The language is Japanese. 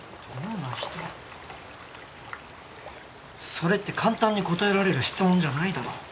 それって簡単に答えられる質問じゃないだろ。